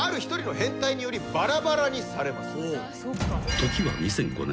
［時は２００５年］